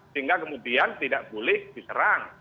sehingga kemudian tidak boleh diserang